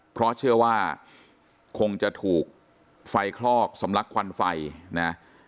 เพราะเชื่อว่าคงจะถูกไฟคลอกสำลักควันไฟนะ